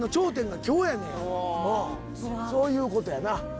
そういうことやな。